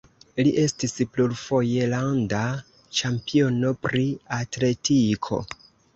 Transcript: Li estis plurfoje landa ĉampiono pri atletiko.